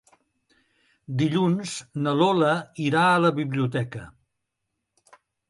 Dilluns na Lola irà a la biblioteca.